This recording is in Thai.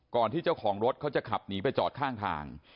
ที่เจ้าของรถเขาจะขับหนีไปจอดข้างทาง